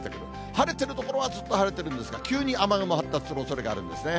晴れてる所はずっと晴れてるんですが、急に雨雲発達するおそれあるんですね。